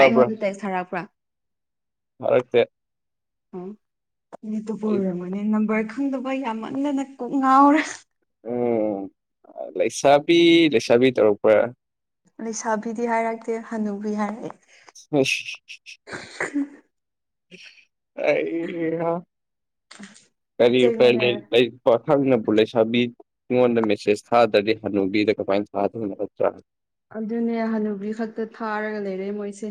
ꯑꯩꯉꯣꯟꯗ ꯇꯦꯛꯁ ꯊꯥꯔꯛꯄ꯭ꯔꯥ ꯊꯥꯔꯛꯇꯦ ꯎꯝ ꯃꯤ ꯑꯇꯣꯞꯄ ꯑꯩ ꯑꯣꯏꯔꯝꯒꯅꯤ ꯅꯝꯕꯔ ꯈꯪꯗꯕ ꯌꯥꯝꯃꯟꯗꯅ ꯀꯣꯛ ꯉꯥꯎꯔꯦ ꯎꯝ ꯂꯩꯁꯥꯕꯤ ꯂꯩꯁꯥꯕꯤ ꯇꯧꯔꯛꯄ꯭ꯔꯥ ꯂꯩꯁꯥꯕꯤꯗꯤ ꯍꯥꯏꯔꯛꯇꯦ ꯍꯅꯨꯕꯤ ꯍꯥꯏꯔꯛꯑꯦ ꯑꯁ ꯍꯤ ꯍꯤ ꯍꯤ ꯍꯩ ꯍꯥ ꯀꯔꯤ ꯆꯩꯉꯣꯅꯦ [unintelligible] ꯂꯩ ꯄꯥꯈꯪꯅꯕꯨ ꯂꯩꯁꯥꯕꯤ ꯅꯉꯣꯟꯗ ꯃꯦꯁꯦꯁ ꯊꯥꯗ꯭ꯔꯗꯤ ꯍꯟꯅꯨꯕꯤꯗ ꯀꯃꯥꯏꯅ ꯊꯥꯗꯣꯏꯅꯣ ꯅꯠꯇ꯭ꯔꯥ ꯑꯗꯨꯅꯦ ꯍꯅꯨꯕꯤ ꯈꯛꯇ ꯊꯥꯔꯒ ꯂꯩꯔꯦ ꯃꯣꯏꯁꯦ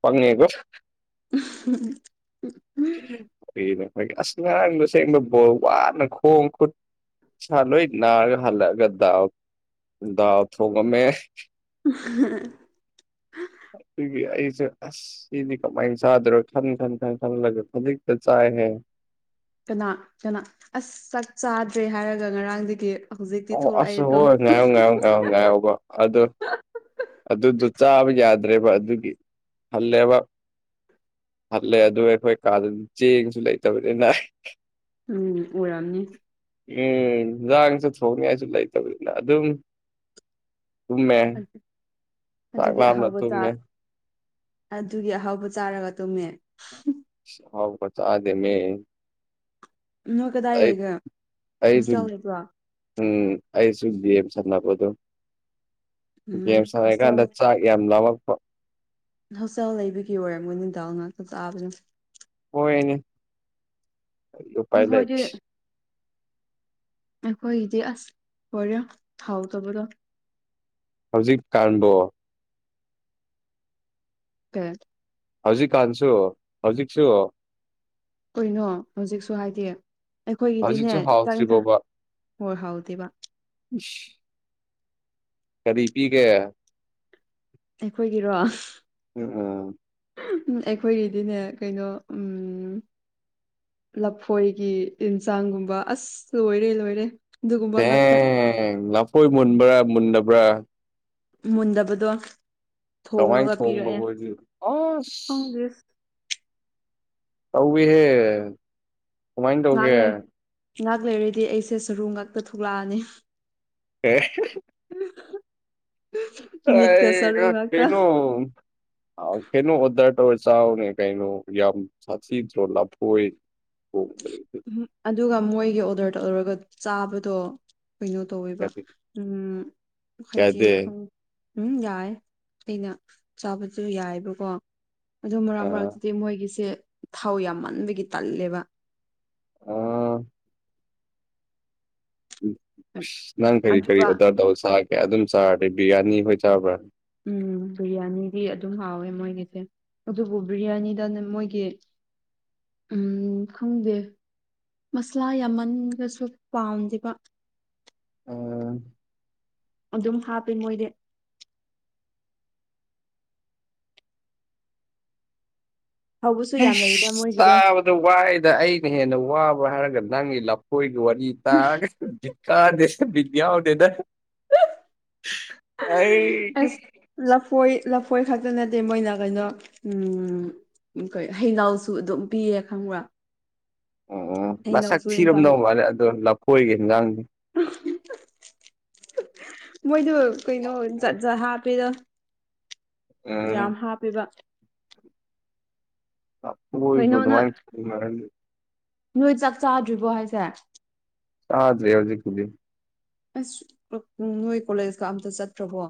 ꯄꯪꯉꯦꯍꯦ [unintelligible] [unintelligible] ꯀꯨꯏꯅ ꯑꯈꯣꯏꯒꯤ ꯑꯁ ꯉꯥꯔꯥꯡ ꯑꯁꯦꯡꯕ ꯕꯣꯜ ꯋꯥꯅ ꯈꯣꯡ ꯈꯨꯠ ꯁꯥ ꯂꯣꯏ ꯅꯥꯔꯒ ꯍꯜꯂꯛꯑꯒ ꯗꯥꯜ ꯗꯥꯜ ꯊꯣꯡꯉꯝꯃꯦ [unintelligible] ꯑꯗꯨꯒꯤ ꯑꯩꯁꯦ ꯑꯁ ꯁꯤꯗꯤ ꯀꯃꯥꯏꯅ ꯆꯥꯗꯣꯏꯔꯣ ꯈꯟ ꯈꯟ ꯈꯟ ꯈꯜꯂꯒ ꯍꯧꯖꯤꯛꯇ ꯆꯥꯏꯌꯦꯍꯦ ꯀꯅꯥ ꯀꯅꯥ ꯑꯁ ꯆꯥꯛ ꯆꯥꯗ꯭ꯔꯦ ꯍꯥꯏꯔꯒ ꯉꯔꯥꯡꯗꯒꯤ ꯍꯧꯖꯤꯛꯇꯤ ꯑꯣ ꯑꯁ ꯊꯣꯛꯂꯛꯏꯗꯣ ꯍꯣꯏ ꯉꯥꯏꯌꯣ ꯉꯥꯏꯌꯣ ꯉꯥꯏꯌꯣ ꯉꯥꯏꯌꯣꯕ ꯑꯗꯨ ꯑꯗꯨꯗꯨ ꯆꯥꯕ ꯌꯥꯗ꯭ꯔꯦꯕ ꯑꯗꯨꯒꯤ ꯍꯜꯂꯦꯕ ꯍꯜꯂꯦ ꯑꯗꯨ ꯑꯩꯈꯣꯏ ꯀꯥꯗ ꯆꯦꯡꯁꯨ ꯂꯩꯇꯕꯅꯤꯅ ꯎꯝ ꯎꯔꯝꯅꯤ ꯎꯝ ꯖꯥꯡꯁꯨ ꯊꯣꯡꯅꯤꯡꯉꯥꯏꯁꯨ ꯂꯩꯇꯕꯅꯤꯅ ꯑꯗꯨꯝ ꯇꯨꯝꯃꯦ ꯆꯥꯛ ꯑꯗꯨꯒꯤ ꯂꯥꯝꯅ ꯑꯍꯥꯎꯕ ꯆꯥ ꯇꯨꯝꯃꯦ ꯑꯗꯨꯒꯤ ꯑꯍꯥꯎꯕ ꯆꯥꯔꯒ ꯇꯨꯝꯃꯦ ꯑꯍꯥꯎꯕ ꯆꯥꯗꯦꯃꯤ ꯅꯣꯏ ꯀꯗꯥꯏ ꯂꯩꯒꯦ ꯑꯩꯁꯨ ꯍꯣꯁꯇꯦꯜ ꯂꯩꯕ꯭ꯔꯣ ꯎꯝ ꯑꯩꯁꯨ ꯒꯦꯝ ꯁꯥꯟꯅꯕꯗꯣ ꯎꯝ ꯒꯦꯝ ꯍꯣꯁꯇꯦꯜ ꯁꯥꯟꯅꯩꯀꯥꯟꯗ ꯆꯥꯛ ꯌꯥꯝ ꯂꯥꯝꯃꯛꯄ ꯍꯣꯁꯇꯦꯜ ꯂꯩꯕꯒꯤ ꯑꯣꯏꯔꯝꯒꯅꯤ ꯗꯥꯜ ꯉꯥꯛꯇ ꯆꯥꯕꯗꯣ ꯍꯣꯏꯅꯦ ꯀꯔꯤ ꯎꯄꯥꯢ ꯂꯩ ꯑꯩꯈꯣꯏꯗꯤ ꯑꯈꯣꯏꯒꯤꯗꯤ ꯑꯁ ꯂꯣꯢꯔꯦ ꯍꯥꯎꯇꯕꯗꯣ ꯍꯧꯖꯤꯛ ꯀꯥꯟꯕꯣ ꯀꯩ ꯍꯧꯖꯤꯛꯀꯥꯟꯁꯨ ꯍꯧꯖꯤꯛꯁꯨ ꯀꯩꯅꯣ ꯍꯧꯖꯤꯛꯁꯨ ꯍꯥꯏꯗꯤ ꯍꯧꯖꯤꯛꯁꯨ ꯑꯈꯣꯏꯒꯤꯗꯤꯅꯦ ꯆꯥꯛ ꯏꯟꯁꯥꯡ ꯍꯥꯎꯇ꯭ꯔꯤꯕꯣꯕ ꯍꯣꯏ ꯍꯥꯎꯗꯦꯕ ꯏꯁ ꯀꯔꯤ ꯄꯤꯒꯦ ꯑꯩꯈꯣꯏꯒꯤꯔꯣ ꯎꯝ ꯎꯝ ꯑꯩꯈꯣꯏꯒꯤꯗꯤꯅꯦ ꯀꯩꯅꯣ ꯎꯝ ꯂꯐꯣꯏꯒꯤ ꯏꯟꯁꯥꯡꯒꯨꯝꯕ ꯑꯁ ꯂꯣꯏꯔꯦ-ꯂꯣꯏꯔꯦ꯫ ꯊꯦꯡ ꯂꯐꯣꯏ ꯃꯨꯟꯕ꯭ꯔꯥ ꯃꯨꯟꯗꯕ꯭ꯔꯥ꯫ ꯃꯨꯟꯗꯕꯗꯣ ꯀꯃꯥꯏꯅ ꯊꯣꯉꯒ ꯄꯤꯔꯛꯑꯦ ꯊꯣꯡꯕꯕꯨ ꯑꯁ ꯈꯪꯗꯦꯁ꯫ ꯇꯧꯋꯦꯍꯦ꯫ ꯉꯥꯍꯥꯛ ꯂꯩ ꯉꯥꯍꯥꯛ ꯂꯩꯔꯗꯤ ꯑꯩꯁꯦ ꯁꯔꯨ ꯉꯥꯛꯇ ꯊꯣꯛꯂꯛꯑꯅꯤ꯫ [unintelligible] [unintelligible] ꯃꯤꯠꯀ ꯁꯔꯨ ꯑꯥꯏꯒ ꯉꯥꯛꯇ ꯀꯩꯅꯣ꯫ ꯑ ꯀꯩꯅꯣ ꯑꯣꯗꯔ ꯇꯧꯔ ꯆꯥꯎꯅꯦ ꯀꯩꯅꯣ ꯌꯥꯝ ꯁꯥꯊꯤꯗ꯭ꯔꯣ ꯂꯐꯣꯏ [unintelligible] ꯎꯝꯍ ꯑꯗꯨꯒ ꯃꯣꯏꯒꯤ ꯑꯣꯗꯔ ꯇꯧꯔꯒ ꯆꯥꯕꯗꯣ ꯀꯩꯅꯣ ꯇꯧꯋꯦꯕ ꯌꯥꯗꯦ ꯎꯝ ꯍꯥꯏꯗꯤ ꯌꯥꯗꯦ? ꯈꯪ ꯎꯝ ꯌꯥꯏ ꯑꯩꯅ ꯆꯥꯕꯁꯨ ꯌꯥꯏꯕꯀꯣ꯫ ꯑꯗꯨ ꯃꯔꯛ ꯑꯥ ꯃꯔꯛꯇꯗꯤ ꯃꯣꯏꯒꯤꯁꯦ ꯊꯥꯎ ꯌꯥꯝꯃꯟꯕꯒꯤ ꯇꯜꯂꯦꯕ꯫ ꯑꫭ꯫ ꯑꯁ ꯅꯪ ꯀꯔꯤ-ꯀꯔꯤ ꯑꯗꯨꯒ ꯑꯣꯔꯗꯔ ꯇꯧ ꯆꯥꯒꯦ ꯑꯗꯨꯝ ꯆꯥꯔꯗꯤ ꯕꯤꯔꯌꯥꯅꯤ ꯍꯣꯏ ꯆꯥꯕ꯭ꯔꯥ꯫ ꯎꯝ ꯕꯤꯔꯌꯥꯅꯤꯗꯤ ꯑꯗꯨꯝ ꯍꯥꯎꯋꯦ ꯃꯣꯏꯒꯤꯁꯦ꯫ ꯑꯗꯨꯕꯨ ꯕꯤ꯭ꯔꯌꯥꯅꯤꯗꯅ ꯃꯣꯏꯒꯤ ꯎꯝ ꯈꯪꯗꯦ꯫ ꯃꯁꯂꯥ ꯌꯥꯝꯃꯟꯒꯁꯨ ꯄꯥꯝꯗꯦꯕ꯫ [inaudible] ꯑꯗꯨꯝ ꯍꯥꯞꯄꯦ ꯃꯣꯏꯗꯤ꯫ ꯍꯧꯕꯁꯨ ꯌꯥꯝ ꯂꯩꯗ ꯑꯩꯁ ꯃꯣꯏꯒꯤꯗꯣ ꯇꯥꯕ ꯗꯣ ꯋꯥꯏꯗ ꯑꯩꯅ ꯍꯦꯟꯅ ꯋꯥꯕ ꯍꯥꯏꯔꯒ ꯅꯪꯒꯤ ꯂꯐꯣꯏꯒꯤ ꯋꯥꯔꯤ ꯇꯥꯔꯒ ꯕꯤꯠ ꯇꯥꯗꯦ ꯕꯤꯠ ꯌꯥꯎꯗꯦꯗ꯫ [unintelligible] ꯑꯁ ꯑꯩ ꯂꯐꯣꯏ ꯂꯐꯣꯏ ꯈꯛꯇ ꯅꯠꯇꯦ ꯃꯣꯏꯅ ꯀꯩꯅꯣ ꯎꯝ ꯎꯝ ꯀꯩ ꯍꯩꯩꯅꯥꯎꯁꯨ ꯑꯗꯨꯝ ꯄꯤꯌꯦ ꯈꯪꯕ꯭ꯔꯥ꯫ ꯑꯣ ꯃꯁꯛ ꯍꯩꯅꯧꯁꯨ ꯏꯟꯁꯥꯡ ꯊꯤꯔꯝꯗꯧ ꯃꯥꯜꯂꯦ ꯑꯗꯣ ꯂꯐꯣꯏꯒꯦ ꯍꯤꯟꯖꯥꯡꯗꯣ꯫ [unintelligible] ꯃꯣꯏꯗꯣ ꯀꯩꯅꯣ ꯖꯥꯠ-ꯖꯥꯠ ꯍꯥꯞꯄꯦꯗ ꯎꯝ ꯌꯥꯝ ꯍꯥꯞꯄꯦꯕ꯫ [inaudible] ꯀꯩꯅꯣꯅ ꯑꯗꯨꯃꯥꯏꯅ ꯊꯣꯡꯅꯔꯗꯤ ꯅꯣꯏ ꯆꯥꯛ ꯆꯥꯗ꯭ꯔꯤꯕꯣ ꯍꯥꯏꯁꯦ꯫ ꯆꯥꯗ꯭ꯔꯤ ꯍꯧꯖꯤꯛꯄꯨꯗꯤ꯫ ꯑꯁ ꯅꯣꯏ ꯀꯣꯂꯦꯖꯀ ꯑꯝꯇ ꯆꯥꯠꯇ꯭ꯔꯕꯣ꯫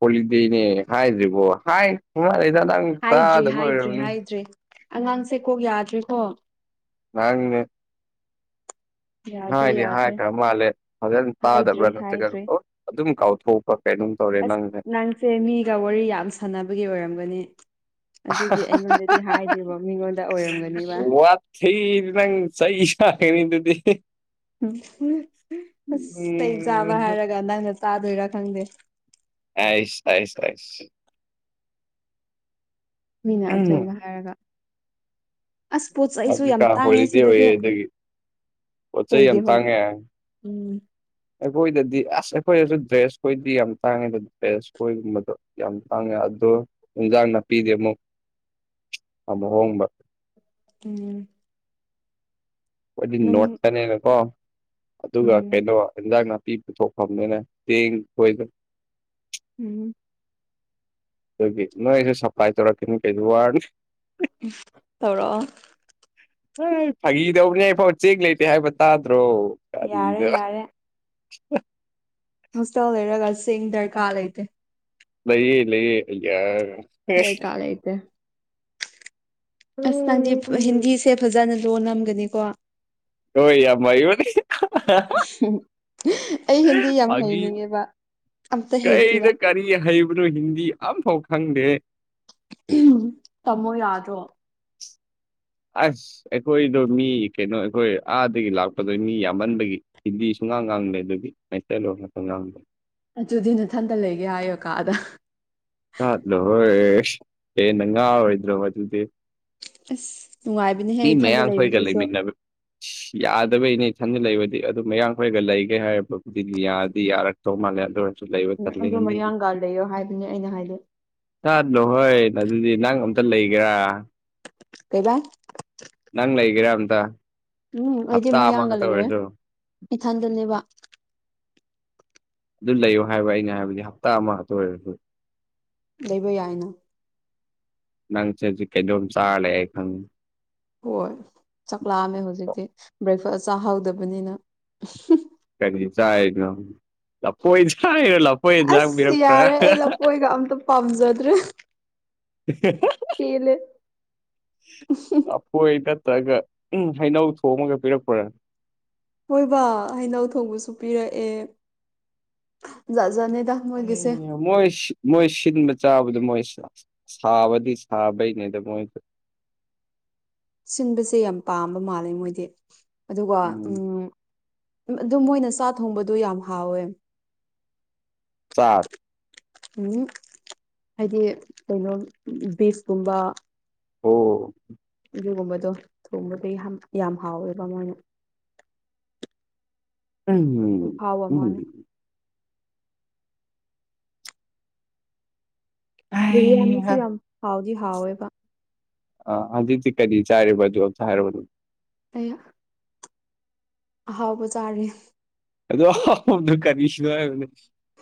ꯍꯣꯂꯤꯗꯦꯅꯦ ꯍꯥꯏꯗ꯭ꯔꯤꯕꯣ ꯍꯥꯏꯒ꯭ꯔꯃꯂꯦꯗ ꯅꯪ ꯍꯥꯏꯗ꯭ꯔꯤ ꯇꯥꯗꯕ ꯍꯥꯏꯗ꯭ꯔꯤ ꯑꯣꯏꯔꯝꯅꯤ꯫ ꯍꯥꯏꯗ꯭ꯔꯤ ꯑꯉꯥꯡꯁꯦ ꯀꯣꯛ ꯌꯥꯗ꯭ꯔꯦꯀꯣ꯫ ꯅꯪꯅꯦ꯫ ꯌꯥꯗ꯭ꯔꯦ ꯍꯥꯏꯗꯤ ꯌꯥꯗ꯭ꯔꯦ ꯍꯥꯏꯈ꯭ꯔ ꯃꯥꯜꯂꯦ ꯐꯖꯅ ꯍꯥꯏꯗ꯭ꯔꯤ ꯇꯥꯗꯕ꯭ꯔꯥ ꯅꯠꯇ꯭ꯔꯒꯅ ꯍꯥꯏꯗ꯭ꯔꯤ ꯑꯗꯨꯝ ꯀꯥꯎꯊꯣꯛꯄ ꯀꯩꯅꯣꯝ ꯑꯁ ꯅꯪꯁꯦ ꯃꯤꯒ ꯋꯥꯔꯤ ꯌꯥꯝ ꯁꯥꯟꯅꯕꯒꯤ ꯑꯣꯏꯔꯝꯒꯅꯤ꯫ ꯑꯗꯨꯒꯤ ꯑꯩꯉꯣꯟꯗꯗꯤ ꯍꯥꯏꯗꯦꯕ ꯃꯤꯉꯣꯟꯗ ꯑꯣꯏꯔꯝꯒꯅꯤꯕ꯫ ꯈꯤꯗꯤ ꯅꯪ ꯆꯩ ꯆꯥꯒꯅꯤ ꯑꯗꯨꯗꯤ꯫ [unintelligible] [unintelligible] ꯑꯁ ꯆꯩ ꯆꯥꯕ ꯎꯝ ꯍꯥꯏꯔꯒ ꯅꯪꯅ ꯆꯥꯗꯣꯏꯔꯥ ꯈꯪꯗꯦ꯫ ꯑꯩꯁ ꯑꯩꯁ ꯑꯩꯁ꯫ ꯃꯤꯅ ꯎꯝ ꯑꯆꯦꯡꯕ ꯍꯥꯏꯔꯒ꯫ ꯑꯁ ꯄꯣꯠ ꯆꯩꯖꯨ ꯌꯥꯝ ꯍꯧꯖꯤꯛꯀꯥꯟ ꯇꯥꯡꯉꯦ ꯍꯣꯂꯤꯗꯦ ꯁꯤꯗꯗꯤ ꯑꯣꯏꯌꯦ ꯑꯗꯨꯒꯤ ꯄꯣꯠ ꯆꯩ ꯀꯩꯒꯤ ꯌꯥꯝ ꯍꯣꯜꯂꯤ ꯇꯥꯡꯉꯦ ꯎꯝ ꯑꯩꯈꯣꯏꯗꯗꯤ ꯑꯁ ꯑꯩꯈꯣꯏꯗꯁꯨ ꯗ꯭ꯔꯦꯁ ꯈꯣꯏꯗꯤ ꯌꯥꯝ ꯇꯥꯡꯉꯦꯗ ꯗ꯭ꯔꯦꯁ ꯈꯣꯏꯒꯨꯝꯕꯗꯣ ꯌꯥꯝ ꯇꯥꯡꯉꯦ ꯑꯗꯣ ꯏꯟꯖꯥꯡ ꯅꯥꯄꯤꯗꯤ ꯑꯃꯨꯛ ꯑꯃꯨꯛ ꯍꯣꯡꯕ ꯎꯝ ꯑꯩꯈꯣꯏꯗꯤ ꯅꯪ ꯅꯣꯔꯠꯇꯅꯦꯅꯀꯣ ꯑꯗꯨꯒ ꯎꯝ ꯀꯩꯅꯣ ꯏꯟꯖꯥꯡ ꯅꯥ ꯄꯤ ꯄꯨꯊꯣꯛꯐꯝꯅꯤꯅ ꯇꯦꯡ ꯊꯣꯏꯗ ꯎꯝ ꯑꯗꯨꯒꯤ ꯅꯣꯏꯖꯨ ꯁꯞꯄ꯭ꯂꯥꯏ ꯇꯧꯔꯛꯀꯅꯤ ꯀꯩꯁꯨ ꯋꯥꯔꯨꯅꯨ ꯎꯝ ꯇꯧꯔꯛꯑꯣ ꯍꯥꯏ ꯐꯥꯒꯤꯗꯧꯕꯅꯦ ꯐꯣꯟ ꯆꯦꯡ ꯂꯩꯇꯦ ꯍꯥꯏꯕ ꯇꯥꯗ꯭ꯔꯣ ꯌꯥꯔꯦ ꯀꯔꯤꯅꯣ ꯌꯥꯔꯦ ꯍꯣꯁꯇꯦꯜ ꯂꯩꯔꯒ ꯆꯦꯡ ꯗꯔꯀꯥꯔ ꯂꯩꯇꯦ ꯂꯩꯌꯦ ꯂꯩꯌꯦ ꯑꯥꯌꯥꯔ ꯗꯔꯀꯥꯔ ꯂꯩꯇꯦ ꯑꯁ ꯅꯪꯗꯤ ꯍꯤꯟꯗꯤꯁꯦ ꯐꯖꯅ ꯂꯣꯟꯂꯝꯒꯅꯤꯀꯣ ꯍꯣꯏ ꯌꯥꯝ ꯍꯩꯕꯅꯤ ꯑꯩ ꯍꯤꯟꯗꯤ ꯌꯥꯝ ꯍꯩꯅꯤꯡꯉꯦꯕ ꯑꯝꯇ ꯍꯩꯇꯦꯕ ꯀꯩꯗ ꯀꯔꯤ ꯍꯩꯕꯅꯣ ꯍꯤꯟꯗꯤ ꯑꯝꯐꯥꯎ ꯈꯪꯗꯦ [unintelligible] ꯇꯝꯃꯣ ꯌꯥꯗ꯭ꯔꯣ ꯑꯁ ꯑꯩꯈꯣꯏꯗꯣ ꯃꯤ ꯀꯩꯅꯣ ꯑꯩꯈꯣꯏ ꯑꯥꯗꯒꯤ ꯂꯥꯛꯄꯗꯣ ꯃꯤ ꯌꯥꯝꯃꯟꯕꯒꯤ ꯍꯤꯟꯗꯤ ꯁꯨꯡꯉꯥꯡ ꯉꯥꯡꯅꯗꯕꯤ ꯃꯩꯇꯩꯂꯣꯟ ꯉꯥꯛꯇ ꯉꯥꯡꯕ ꯑꯗꯨꯗꯤ ꯅꯊꯟꯇ ꯂꯩꯒꯦ ꯍꯥꯏꯌꯣ ꯀꯥꯗ ꯆꯠꯂꯣꯍꯦ ꯍꯦꯟꯅ ꯉꯥꯎꯔꯣꯏꯗ꯭ꯔꯣ ꯑꯗꯨꯗꯤ ꯑꯁ ꯅꯨꯡꯉꯥꯏꯕꯅꯤꯍꯦ ꯃꯤ ꯏꯊꯟꯗ ꯃꯌꯥꯡꯈꯣꯏꯒ ꯂꯩꯕꯁꯤꯁꯨ ꯂꯩꯃꯤꯟꯅꯕ ꯌꯥꯗꯕꯩꯅꯦ ꯏꯊꯟꯗ ꯂꯩꯕꯗꯤ ꯑꯗꯨꯝ ꯃꯌꯥꯡꯈꯣꯏꯒ ꯂꯩꯒꯦ ꯍꯥꯏꯔꯕꯕꯨꯗꯤ ꯌꯥꯗꯤ ꯌꯥꯔꯛꯇꯧ ꯃꯥꯜꯂꯦ ꯑꯗꯣ ꯎꯝ ꯑꯗꯣ ꯃꯌꯥꯥꯡꯒ ꯂꯩꯌꯣ ꯍꯥꯏꯕꯅꯦ ꯑꯩꯅ ꯍꯥꯏꯗꯤ ꯆꯠꯂꯣꯍꯩ ꯑꯗꯨꯗꯤ ꯅꯪ ꯑꯝꯇ ꯂꯩꯒꯦꯔꯥ ꯀꯩꯕꯥ ꯅꯪ ꯂꯩꯒꯦꯔ ꯑꯝꯇ ꯎꯝ ꯑꯩꯗꯤ ꯍꯞꯇꯥ ꯃꯌꯥꯡꯒ ꯑꯃꯈꯛꯇ ꯂꯩꯌꯦ ꯑꯣꯏꯔꯁꯨ ꯏꯊꯟꯗꯅꯦꯕ ꯑꯗꯨ ꯂꯩꯌꯣ ꯍꯥꯏꯕ ꯑꯩꯅ ꯍꯥꯏꯕꯗꯤ ꯍꯞꯇꯥ ꯑꯃ ꯈꯠꯇ ꯑꯣꯏꯔꯁꯨ ꯂꯩꯕ ꯌꯥꯏꯅ ꯅꯪ ꯆꯖꯤꯛ ꯀꯩꯅꯣꯝ ꯆꯥꯔ ꯂꯩꯌꯦ ꯑꯩ ꯈꯪꯉꯦ ꯍꯣꯏ ꯆꯥꯛ ꯂꯥꯝꯃꯦ ꯍꯧꯖꯤꯛꯇꯤ ꯕ꯭ꯔꯦꯛꯐꯥꯁ ꯆꯥꯍꯧꯗꯕꯅꯤꯅ ꯀꯔꯤ ꯆꯥꯏꯅꯣ ꯂꯐꯣꯏ ꯆꯥꯏꯔꯣ ꯂꯐꯣꯏ ꯏꯟꯖꯥꯛ ꯑꯁ ꯄꯤꯔꯛꯄ꯭ꯔꯥ ꯌꯥꯔꯦ [unintelligible] ꯄꯥꯝꯖꯗ꯭ꯔꯦ [unintelligible] ꯄꯦꯜꯂꯦ ꯍꯣꯏ ꯅꯠꯇ꯭ꯔꯒ ꯍꯩꯅꯧ ꯊꯣꯡꯉꯒ ꯄꯤꯔꯛꯄ꯭ꯔ ꯍꯣꯏꯕꯥ ꯍꯩꯅꯧ ꯊꯣꯡꯕꯁꯨ ꯄꯤꯔꯛꯑꯦ ꯖꯥꯠ ꯖꯥꯠꯅꯤꯗ [unintelligible] ꯃꯣꯏꯁ ꯃꯣꯏ ꯁꯤꯟꯕ ꯆꯥꯕꯗꯣ ꯃꯣꯏ ꯁꯥ ꯁꯥꯕꯗꯤ ꯁꯥꯕꯩꯅꯦꯗ ꯃꯣꯏꯗꯣ ꯁꯤꯟꯕꯁꯦ ꯌꯥꯝ ꯄꯥꯝꯕ ꯃꯥꯜꯂꯦ ꯃꯣꯏꯗꯤ ꯑꯗꯨꯒ ꯎꯝ ꯑꯗꯨ ꯃꯣꯏꯅ ꯆꯥꯛ ꯊꯣꯡꯕꯗꯣ ꯌꯥꯝ ꯍꯥꯎꯋꯦ ꯆꯥꯛ ꯍꯨꯝ ꯍꯥꯏꯗꯤ ꯀꯩꯅꯣ ꯕꯤꯁꯀꯨꯝꯕ ꯑꯣ ꯑꯗꯨꯒꯨꯝꯕꯗꯣ ꯊꯣꯡꯕꯗꯤ ꯌꯥꯝ ꯌꯥꯝ ꯍꯥꯎꯋꯦꯕ ꯃꯣꯏꯅ ꯎꯝꯝ ꯈꯨꯍꯥꯎ ꯎꯝ ꯑꯃꯅꯦ ꯕꯤꯔꯌꯥꯅꯤꯁꯨ ꯍꯩꯍꯥ ꯌꯥꯝ ꯍꯥꯎꯗꯤ ꯍꯥꯎꯋꯦꯕ ꯑꯥ ꯍꯧꯖꯤꯛꯇꯤ ꯀꯔꯤ ꯆꯥꯔꯤꯕ ꯑꯗꯣ ꯑꯝꯇ ꯍꯥꯏꯔꯛꯎꯅꯦ ꯑꯌꯥ ꯑꯍꯥꯎꯕ ꯆꯥꯔꯦ ꯑꯗꯨꯛ ꯍꯥꯎꯕꯗꯣ ꯀꯔꯤꯅꯣ ꯍꯥꯏꯕꯅꯤ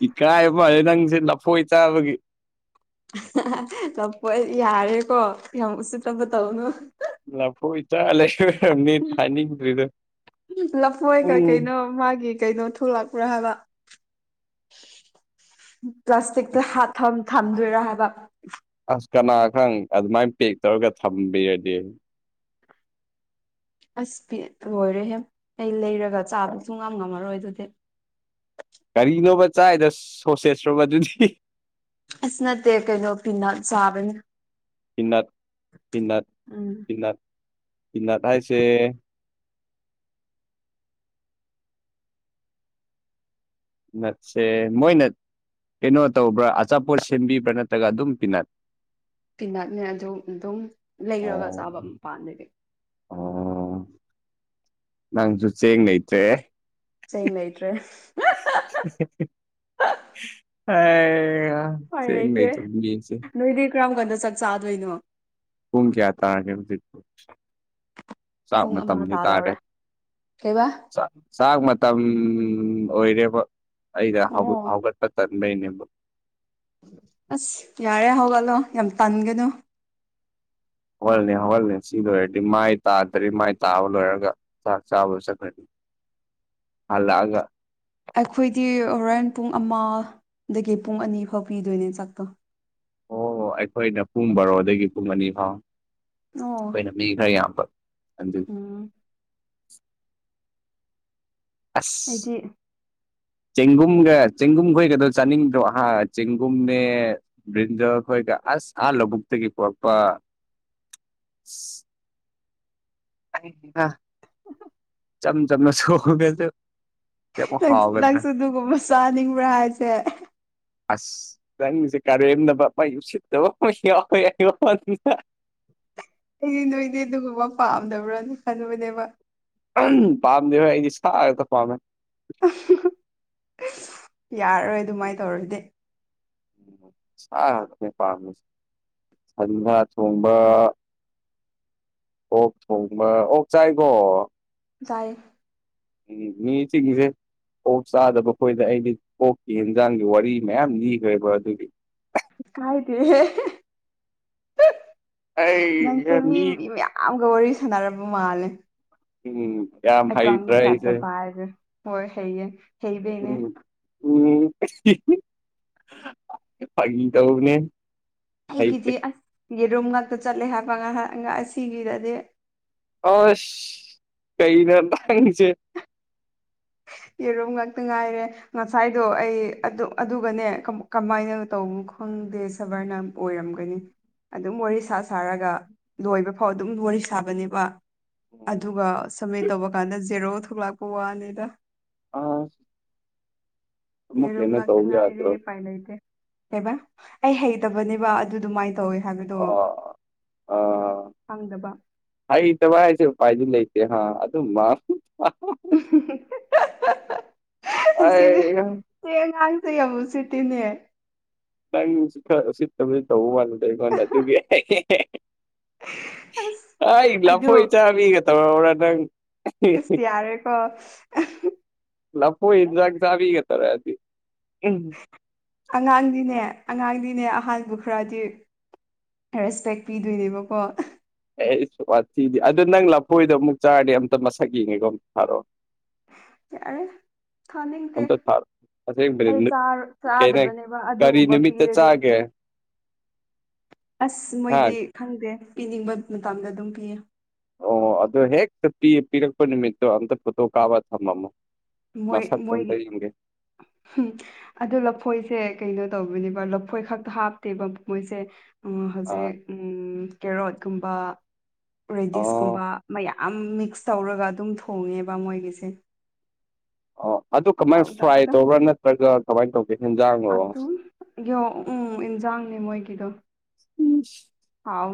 ꯏꯀꯥꯏꯕꯩ ꯋꯥꯅꯤ ꯅꯪꯁꯦ ꯂꯐꯣꯏ ꯆꯥꯕꯒꯤ [unintelligible] ꯂꯥꯐꯣꯏ ꯌꯥꯔꯦꯀꯣ ꯌꯥꯝ ꯎꯁꯤꯠꯇꯕ ꯇꯧꯅꯨ ꯂꯐꯣꯏ ꯆꯥꯔ ꯂꯩꯔꯝꯃꯤ ꯐꯥꯏꯅꯤꯪꯗꯔ꯭ꯤꯗꯨ ꯂꯐꯣꯏ ꯀꯩ ꯀꯩꯅꯣ ꯃꯥꯒꯤ ꯀꯩꯅꯣ ꯊꯣꯛꯂꯛꯄ꯭ꯔꯥ ꯍꯥꯏꯕ ꯄ꯭ꯂꯥꯁꯇꯤꯛꯇ ꯍꯥꯞ ꯊꯝ ꯊꯝꯗꯣꯏꯔꯥ ꯍꯥꯏꯕ ꯑꯁ ꯀꯅꯥ ꯈꯪ ꯑꯗꯨꯃꯥꯏꯅ ꯄꯦꯛ ꯇꯧꯔꯒ ꯊꯝꯕꯤꯔꯗꯤ ꯑꯁ ꯄꯦꯛ ꯂꯣꯏꯔꯦꯍꯦ ꯑꯩ ꯂꯩꯔꯒ ꯆꯥꯕ ꯁꯨꯛꯉꯝ ꯉꯝꯃꯔꯣꯏ ꯑꯗꯨꯗꯤ ꯀꯔꯤꯅꯣꯕ ꯆꯥꯏꯗꯣ ꯁꯣꯁꯦꯁꯔꯣꯕ ꯑꯗꯨꯗꯤ ꯑꯁ ꯅꯠꯇꯦ ꯀꯩꯅꯣ ꯄꯤꯅꯠ ꯆꯥꯕꯅꯤ ꯄꯤꯅꯠ ꯄꯤꯅꯠ ꯎꯝ ꯄꯤꯅꯠ ꯄꯤꯅꯠ ꯍꯥꯏꯁꯦ ꯅꯠꯁꯦ ꯃꯣꯏꯅ ꯀꯩꯅꯣ ꯇꯧꯕ꯭ꯔꯥ ꯑꯆꯥꯄꯣꯠ ꯁꯦꯝꯕꯤꯕ꯭ꯔꯥ ꯅꯠꯇ꯭ꯔꯒ ꯑꯗꯨꯝ ꯄꯤꯅꯠ ꯄꯤꯅꯥꯠꯅꯦ ꯑꯗꯨ ꯑꯗꯨꯝ ꯂꯩꯔꯒ ꯑꯣ ꯆꯥꯕ ꯃꯄꯥꯟꯗꯒꯤ ꯑꯣ ꯅꯪꯖꯨ ꯆꯦꯡ ꯂꯩꯇ꯭ꯔꯦ ꯆꯦꯡ ꯂꯩꯇ꯭ꯔꯦ [unintelligible] ꯍꯩ ꯍꯥ ꯎꯄꯥꯏ ꯂꯩꯇꯦ ꯅꯣꯏꯗꯤ ꯀꯔꯝ ꯀꯥꯟꯗ ꯆꯥꯛ ꯆꯥꯗꯣꯏꯅꯣ ꯄꯨꯡ ꯀꯌꯥ ꯇꯔꯒꯦ ꯍꯧꯖꯤꯛ ꯆꯥꯛ ꯄꯨꯡ ꯑꯃ ꯃꯇꯝꯗꯤ ꯇꯥꯔꯦ ꯇꯥꯗꯧꯔꯦ ꯀꯩꯕꯥ ꯆꯥꯛ ꯆꯥꯛ ꯃꯇꯝ ꯑꯣꯏꯔꯦꯕ ꯑꯩꯅ ꯑꯣ ꯍꯧꯒꯠ ꯍꯧꯒꯠꯄ ꯇꯟꯕꯩꯅꯦꯕ ꯑꯁ ꯌꯥꯔꯦ ꯍꯧꯒꯠꯂꯣ ꯌꯥꯝ ꯇꯟꯒꯅꯨ ꯍꯧꯒꯠꯂꯅꯤ ꯍꯧꯒꯠꯂꯅꯤ ꯁꯤ ꯂꯣꯏꯔꯗꯤ ꯃꯥꯏ ꯇꯥꯗ꯭ꯔꯤ ꯃꯥꯏ ꯇꯥꯕ ꯂꯣꯏꯔꯒ ꯆꯥꯛ ꯆꯥꯕ ꯆꯠꯀꯅꯤ ꯍꯜꯂꯛꯑꯒ ꯑꯩꯈꯣꯏꯗꯤ ꯍꯣꯔꯦꯟ ꯄꯨꯡ ꯑꯃꯗꯒꯤ ꯄꯨꯡ ꯑꯅꯤ ꯐꯥꯎ ꯄꯤꯗꯣꯏꯅꯦ ꯆꯥꯛꯇꯣ ꯑꯣ ꯑꯩꯈꯣꯏꯅ ꯄꯨꯡ ꯕꯥꯔꯣꯗꯒꯤ ꯄꯨꯡ ꯑꯅꯤ ꯐꯥꯎ ꯑꯣ ꯑꯩꯈꯣꯏꯅ ꯃꯤ ꯈꯔ ꯌꯥꯝꯕ ꯑꯗꯨꯒꯤ ꯎꯝ ꯑꯁ ꯑꯩꯗꯤ ꯆꯦꯡꯒꯨꯝꯒ ꯆꯦꯡꯒꯨꯝ ꯈꯣꯏꯒꯗꯣ ꯆꯥꯅꯤꯡꯗ꯭ꯔꯣ ꯑꯥ ꯆꯦꯡꯒꯨꯝꯅꯦ ꯕ꯭ꯔꯤꯟꯖꯥꯜ ꯈꯣꯏꯒ ꯑꯁ ꯑꯥ ꯂꯧꯕꯨꯛꯇꯒꯤ ꯄꯔꯛꯄ ꯑꯁ [unintelligible] ꯍꯥꯥ ꯍꯥꯍꯥ ꯆꯝ ꯆꯝꯅ ꯁꯨꯒꯥꯗꯨ ꯅꯪꯁ ꯅꯪꯁꯨ ꯑꯗꯨꯒꯨꯝꯕ ꯆꯥꯅꯤꯡꯕ꯭ꯔꯥ ꯍꯥꯏꯁꯦ ꯑꯁ ꯅꯪꯁꯦ ꯀꯔꯦꯝꯅꯕ ꯃꯩ ꯎꯁꯤꯠꯇꯕꯃꯥ ꯌꯥꯎꯋꯦ ꯑꯩꯉꯣꯟꯗ ꯑꯩꯗꯤ ꯅꯣꯏꯗꯤ ꯑꯗꯨꯒꯨꯝꯕ ꯄꯥꯝꯗꯕ꯭ꯔꯅ ꯈꯟꯕꯅꯦꯕ ꯑꯍꯝ ꯄꯥꯝꯗꯦꯕ ꯑꯩꯗꯤ ꯁꯥ ꯉꯥꯛꯇ ꯄꯝꯃꯦ ꯌꯥꯔꯔꯣꯏ ꯑꯗꯨꯃꯥꯏ ꯇꯧꯔꯗꯤ ꯁꯥ ꯉꯥꯛꯇꯅꯦ ꯄꯥꯝꯃꯤꯖꯤ ꯐꯟꯕꯥ ꯊꯣꯡꯕ ꯑꯣꯛ ꯊꯣꯡꯕ ꯑꯣꯛ ꯆꯥꯏꯀꯣ ꯖꯥꯏ ꯎꯝ ꯃꯤ ꯆꯤꯛꯖꯦ ꯑꯣꯛ ꯆꯥꯗꯕꯈꯣꯏꯗ ꯑꯩꯗꯤ ꯑꯣꯛꯀꯤ ꯏꯟꯖꯥꯡꯒꯤ ꯋꯥꯔꯤ ꯃꯌꯥꯝ ꯂꯤꯒ꯭ꯔꯦꯕ ꯑꯗꯨꯒꯤ ꯀꯥꯏꯗꯦꯍꯦ ꯅꯪꯁꯦ ꯃꯤ ꯃꯤ ꯃꯌꯥꯝ ꯑꯥꯝꯒ ꯋꯥꯔꯤ ꯁꯥꯟꯅꯔꯕ ꯃꯥꯜꯂꯦ ꯆꯤꯃꯤꯅꯨꯞ ꯑꯦꯀꯪ ꯖꯥꯠꯇ ꯄꯥꯏꯒ꯭ꯔ‌ꯦ ꯍꯣꯏ ꯍꯩꯌꯦ ꯍꯩꯕꯩꯅꯦ ꯎꯝ ꯎꯝ ꯐꯥꯒꯤ ꯇꯧꯕꯅꯦ ꯍꯩꯇꯦ ꯑꯩꯒꯤꯗꯤ ꯑꯁ ꯌꯦꯔꯨꯝ ꯉꯥꯛꯇ ꯆꯠꯂꯦ ꯍꯥꯏꯕ ꯉꯍꯛ ꯉ ꯑꯁꯤꯒꯤꯗꯗꯤ ꯑꯁ ꯀꯩꯅꯣ ꯅꯪꯖꯦ ꯌꯦꯔꯨꯝ ꯉꯥꯛꯇ ꯉꯥꯏꯔꯦ ꯉꯁꯥꯏꯗꯣ ꯑꯩ ꯑꯗꯨ ꯑꯗꯨꯒꯅꯦ ꯀꯝ ꯀꯝꯃꯥꯏꯅ ꯇꯧꯕꯅꯣ ꯈꯪꯗꯦ ꯁꯕꯔꯅꯝ ꯑꯣꯏꯔꯝꯒꯅꯤ ꯑꯗꯨꯝ ꯋꯥꯔꯤ ꯁꯥ ꯁꯥꯔꯒ ꯂꯣꯏꯕꯐꯥꯎ ꯑꯗꯨꯝ ꯋꯥꯔꯤ ꯁꯥꯕꯅꯦꯕ ꯑꯗꯨꯒ ꯁꯝꯃꯤꯠ ꯇꯧꯕ ꯀꯥꯟꯗ ꯖꯦꯔꯣ ꯊꯣꯛꯂꯛꯄ ꯋꯥꯅꯤꯗ ꯑꯥꯁ ꯌꯦꯔꯨꯝ ꯉꯥꯛꯇ ꯇꯧꯕ ꯉꯥꯏꯔꯦ ꯌꯥꯗ꯭ꯔꯣ ꯎꯄꯥꯏ ꯂꯩꯇꯦ ꯀꯩꯕ ꯑꯩ ꯍꯩꯇꯕꯅꯦꯕ ꯑꯗꯨ ꯑꯗꯨꯃꯥꯏ ꯇꯧꯋꯦ ꯍꯥꯏꯕꯗꯣ ꯑꯣ ꯈꯪꯗꯕ ꯑꯥ ꯍꯩꯇꯕ ꯍꯥꯏꯖꯦ ꯎꯄꯥꯏꯗꯤ ꯂꯩꯇꯦ ꯍꯥ ꯑꯗꯨꯝ ꯃꯝ [unintelligible] ꯑꯁꯤꯗꯤ ꯑꯩ ꯁꯤ ꯑꯉꯥꯡꯁꯦ ꯌꯥꯝ ꯎꯁꯤꯠꯇꯤꯅꯦ ꯅꯪꯁꯨ ꯈꯔ ꯎꯁꯤꯠꯇꯕꯗꯤ ꯇꯧꯕ ꯋꯥꯅꯤꯗ ꯑꯩꯉꯣꯟꯗ ꯑꯗꯨꯒꯤ ꯑꯁ ꯍꯥꯏ ꯑꯗꯨ ꯂꯐꯣꯏ ꯆꯥꯕꯤꯒ ꯇꯧꯔꯛꯑꯣꯔꯥ ꯅꯪ ꯏꯁ ꯌꯥꯔꯦꯀꯣ ꯂꯐꯣꯏ ꯏꯟꯖꯥꯡ ꯆꯕꯤꯒ ꯇꯧꯔꯛꯑꯗꯤ ꯎꯝ ꯑꯉꯥꯡꯗꯤꯅꯦ ꯑꯉꯥꯡꯗꯤꯅꯦ ꯑꯍꯟꯕꯨ ꯈꯔꯗꯤ ꯔꯦꯁꯄꯦꯛ ꯄꯤꯗꯨꯏꯅꯤꯕꯀꯣ ꯑꯦ ꯋꯥꯊꯤꯗꯤ ꯑꯗꯨ ꯅꯪ ꯂꯐꯣꯏꯗꯣ ꯑꯃꯨꯛ ꯆꯥꯔꯗꯤ ꯑꯝꯇ ꯃꯁꯛ ꯌꯦꯡꯒꯦꯀꯣ ꯑꯝꯇ ꯊꯥꯔꯛꯑꯣ ꯌꯥꯔꯦ ꯊꯥꯅꯤꯡꯇꯦ ꯑꯝꯇ ꯊꯥꯔꯛꯑꯣ ꯑꯁꯦꯡꯕꯅꯤ ꯑꯩ ꯅꯨ- ꯆꯥꯔ ꯀꯩ ꯅꯪ ꯆꯥꯗꯕꯅꯦꯕ ꯀꯔꯤ ꯑꯗꯨꯒꯨꯝꯕ ꯅꯨꯃꯤꯠꯇ ꯄꯤꯔꯗꯤ ꯆꯥꯒꯦ ꯑꯁ ꯍꯥ ꯃꯣꯏꯗꯤ ꯈꯪꯗꯦ ꯄꯤꯅꯤꯡꯕ ꯃꯇꯝꯗ ꯑꯗꯨꯝ ꯄꯤꯌꯦ ꯑꯣ ꯑꯗꯨ ꯍꯦꯛꯇ ꯄꯤ ꯄꯤꯔꯛꯄ ꯅꯨꯃꯤꯠꯇꯣ ꯑꯝꯇ ꯐꯣꯇꯣ ꯀꯥꯞꯄ ꯊꯝꯃꯝꯃꯣ ꯃꯣꯏ ꯃꯁꯛꯇꯣ ꯑꯝꯇ ꯃꯣꯏꯒꯤ ꯌꯦꯡꯒꯦ ꯍꯨꯝ ꯑꯗꯨ ꯂꯐꯣꯏꯁꯦ ꯀꯩꯅꯣ ꯇꯧꯕꯅꯦꯕ ꯂꯐꯣꯏ ꯈꯛꯇ ꯍꯥꯞꯇꯦꯕ ꯃꯣꯏꯁꯦ ꯎꯝ ꯑꯥ ꯍꯧꯖꯤꯛ ꯎꯝ ꯀꯦꯔꯣꯠꯀꯨꯝꯕ ꯑꯣ ꯔꯦꯗꯤꯁꯀꯨꯝꯕ ꯃꯌꯥꯝ ꯑꯝ ꯃꯤꯛꯁ ꯇꯧꯔꯒ ꯑꯗꯨꯝ ꯊꯣꯡꯉꯦꯕ ꯃꯣꯏꯒꯤꯁꯦ ꯑꯣ ꯑꯗꯨ ꯀꯃꯥꯅ ꯐ꯭ꯔꯥꯏ ꯍꯥꯎꯇꯕꯗꯣ ꯇꯧꯕ꯭ꯔꯥ ꯅꯠꯇ꯭ꯔꯒ ꯀꯃꯥꯏ ꯇꯧꯒꯦ ꯍꯦꯟꯖꯥꯡ ꯑꯗꯨꯝ ꯌꯣ ꯎꯝ ꯏꯟꯖꯥꯡꯅꯦ ꯃꯣꯏꯒꯤꯗꯣ ꯍꯥꯎ